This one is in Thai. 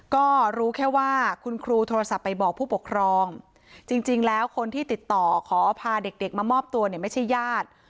ก็รู้แค่ว่าคุณครูโทรศัพท์ไปบอกผู้ปกครองจริงแล้วคนที่ติดต่อขอพาเด็กมามอบตัวเนี่ยไม่ใช่ญาติ